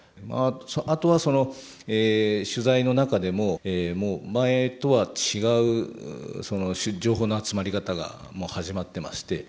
あとは取材の中でももう前とは違う情報の集まり方がもう始まってまして。